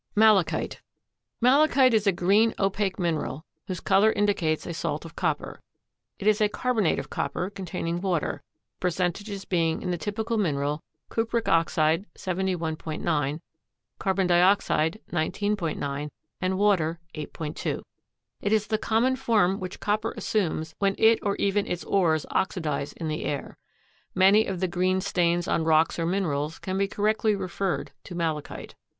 MALICHITE. Malachite is a green opaque mineral whose color indicates a salt of copper. It is a carbonate of copper containing water, the percentages being in the typical mineral, cupric oxide 71.9, carbon dioxide 19.9, and water 8.2. It is the common form which copper assumes when it or even its ores oxidize in the air. Many of the green stains on rocks or minerals can be correctly referred to malachite.